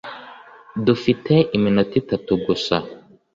dufite iminota itatu gusa